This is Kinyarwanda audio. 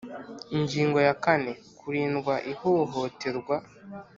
Ingingo ya kane Kurindwa ihohoterwa